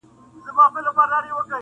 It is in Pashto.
نه دچا خپل سوو نه پردي بس تر مطلبه پوري,